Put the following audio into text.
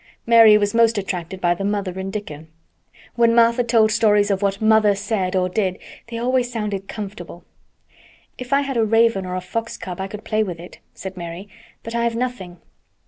Mary was most attracted by the mother and Dickon. When Martha told stories of what "mother" said or did they always sounded comfortable. "If I had a raven or a fox cub I could play with it," said Mary. "But I have nothing."